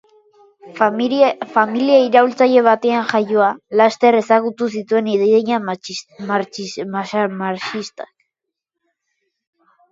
Familia iraultzaile batean jaioa, laster ezagutu zituen ideia marxistak.